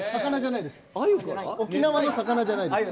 沖縄の魚じゃないです。